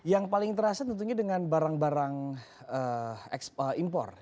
yang paling terasa tentunya dengan barang barang impor